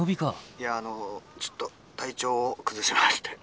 「いやあのちょっと体調を崩しまして」。